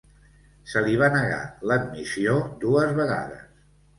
Se li va negar l'admissió dues vegades.